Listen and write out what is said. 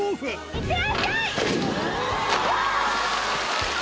・いってらっしゃい！